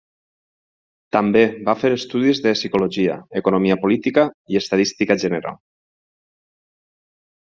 També va fer estudis de psicologia, economia política i estadística general.